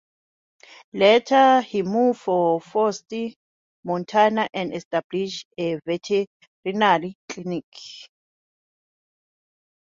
Later he moved to Forsyth, Montana and established a veterinary clinic.